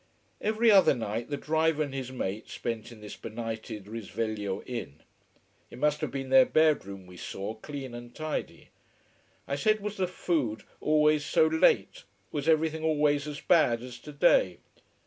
Every other night the driver and his mate spent in this benighted Risveglio inn. It must have been their bedroom we saw, clean and tidy. I said was the food always so late, was everything always as bad as today.